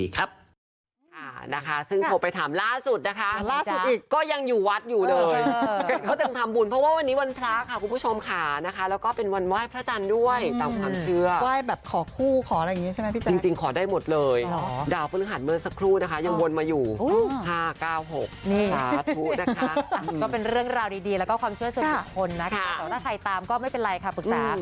ขอบคุณทุกคนมากครับผมปลอดภัยดีครับ